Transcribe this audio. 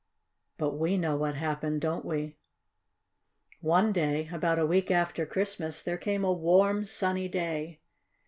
But we know what happened, don't we? One day, about a week after Christmas, there came a warm, sunny day.